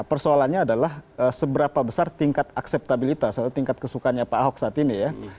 persoalannya adalah seberapa besar tingkat akseptabilitas atau tingkat kesukaannya pak ahok saat ini ya